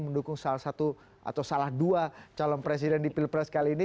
mendukung salah satu atau salah dua calon presiden di pilpres kali ini